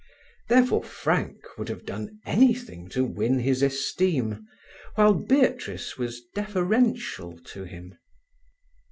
Therefore Frank would have done anything to win his esteem, while Beatrice was deferential to him.